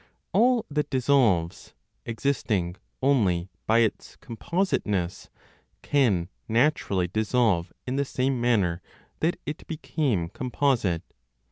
All that dissolves, existing only by its compositeness, can naturally dissolve in the same manner that it became composite.